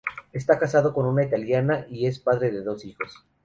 Está casado con una italiana y es padre de dos hijos.